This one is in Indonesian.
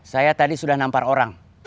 saya tadi sudah nampar orang